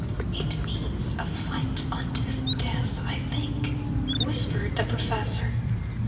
"It means a fight unto the death, I think," whispered the professor.